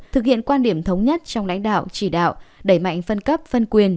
thực hiện quan điểm thống nhất trong lãnh đạo chỉ đạo đẩy mạnh phân cấp phân quyền